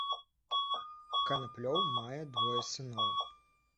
Канаплёў мае двое сыноў.